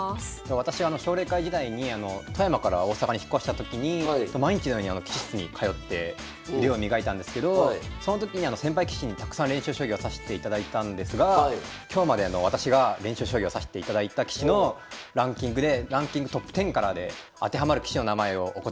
私奨励会時代に富山から大阪に引っ越した時に毎日のように棋士室に通って腕を磨いたんですけどその時に先輩棋士にたくさん練習将棋を指していただいたんですが今日までの私が練習将棋を指していただいた棋士のランキングでランキングトップ１０からでアッハッハッハ！